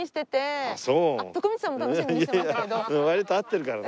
割と会ってるからな。